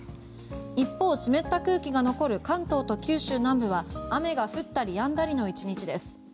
一方、湿った空気が残る関東と九州南部は雨が降ったりやんだりの１日です。